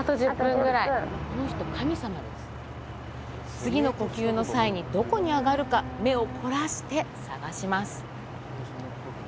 次の呼吸の際に、どこに上がるか、目を凝らして探します。